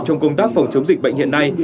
trong công tác phòng chống dịch bệnh hiện nay